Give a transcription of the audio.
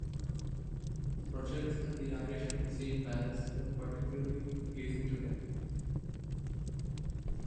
The projects at the Irish Embassy in Paris were particularly pleasing to him.